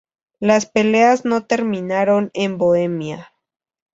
Las peleas no terminaron en Bohemia.